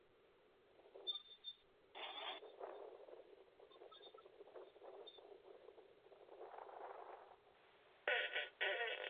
隐密裂囊猛水蚤为双囊猛水蚤科裂囊猛水蚤属的动物。